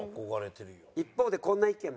一方でこんな意見も。